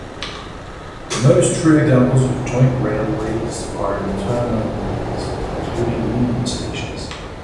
Most true example of joint railways are in terminal areas, including union stations.